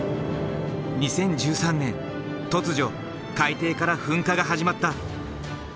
２０１３年突如海底から噴火が始まった。